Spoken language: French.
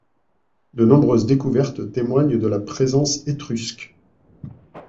De nombreuses découvertes témoignent de la présence étrusque.